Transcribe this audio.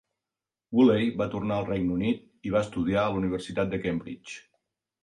Woolley va tornar al Regne Unit i va estudiar a la Universitat de Cambridge.